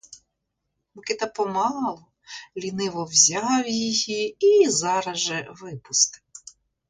Микита помалу, ліниво взяв її і зараз же випустив.